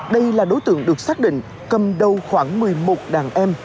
đây là đối tượng được xác định cầm đầu khoảng một mươi một đàn em